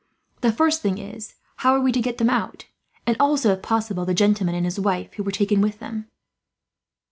The first thing is, how are we to get them out; and also, if possible, the gentleman and his wife who were taken with them?"